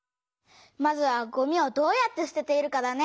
まずはごみをどうやってすてているかだね。